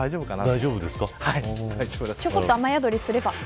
ちょこっと雨宿りすれば。